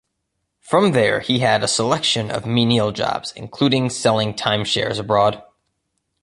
From there he had a selection of menial jobs including selling time shares abroad.